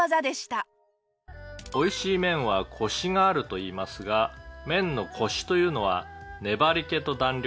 「美味しい麺はコシがあるといいますが麺のコシというのは粘り気と弾力